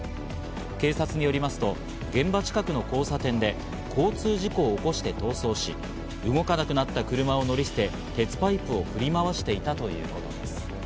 警察によりますと、現場近くの交差点で交通事故を起こして逃走し、動かなくなった車を乗り捨て、鉄パイプを振り回していたということです。